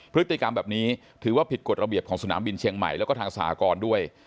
พฤติกรรมแบบนี้ถือว่าผิดกฎระเบียบของสนามบินเชียงใหม่แล้วก็ทางสหกรด้วย